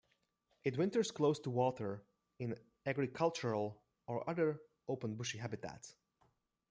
It winters close to water in agricultural or other open bushy habitats.